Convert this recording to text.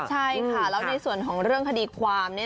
ใช่ค่ะแล้วในส่วนของเรื่องคดีความ